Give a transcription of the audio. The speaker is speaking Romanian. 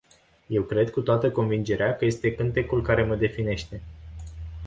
Eu cred cu toată convingerea că este cântecul care mă definește.